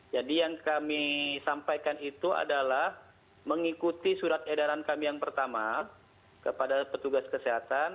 jadi yang kami sampaikan itu adalah mengikuti surat edaran kami yang pertama kepada petugas kesehatan